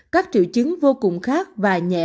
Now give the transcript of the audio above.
các triệu chứng vô cùng khác và nhẹ